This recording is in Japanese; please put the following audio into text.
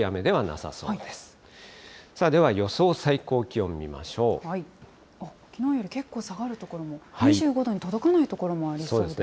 さあでは、予想最高気温見ましょきのうより結構下がる所も、２５度に届かない所もありそうですね。